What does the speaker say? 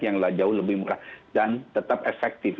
yang jauh lebih murah dan tetap efektif